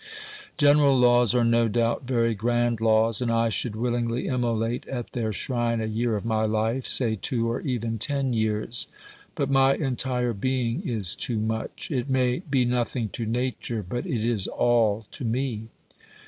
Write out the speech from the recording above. General laws are no doubt very grand laws, and I should willingly immolate at their shrine a year of my life, say two or even ten years, but my entire being is too much ; it may be nothing to Nature, but it is all to me.